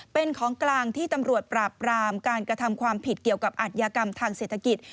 เป็นของกลางที่ตำรวจปราบรามการกระทำความผิดเกี่ยวกับอัธยากรรมทางเศรษฐกิจ